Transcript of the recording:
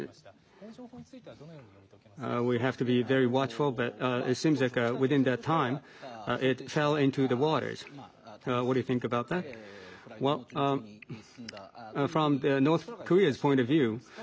この情報についてはどのように読み解きますか。